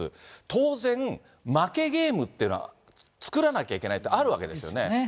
当然、負けゲームっていうのは作らなきゃいけないって、あるわけですよね。